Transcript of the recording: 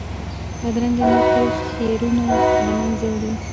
بدرنګه نیت ټول خیرونه له منځه وړي